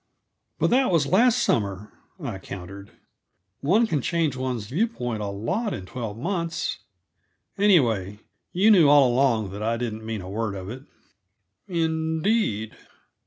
"But that was last summer," I countered. "One can change one's view point a lot in twelve months. Anyway, you knew all along that I didn't mean a word of it." "Indeed!"